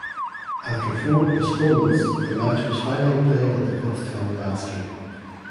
After four postponements, the match was finally played at the fifth time of asking.